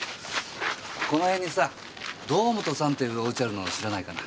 この辺にさ堂本さんていうお家あるの知らないかな？